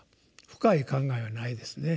深い考えはないですね。